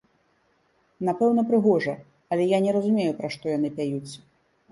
Напэўна, прыгожа, але я не разумею, пра што яны пяюць.